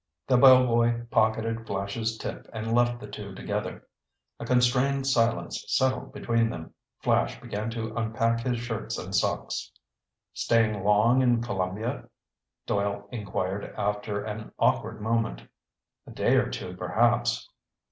The bellboy pocketed Flash's tip and left the two together. A constrained silence settled between them. Flash began to unpack his shirts and socks. "Staying long in Columbia?" Doyle inquired after an awkward moment. "A day or two, perhaps."